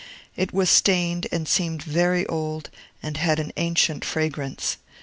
It was stained and seemed very old, and had an ancient fragrance.